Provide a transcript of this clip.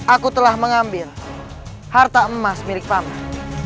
aku telah mengambil harta emas milik paman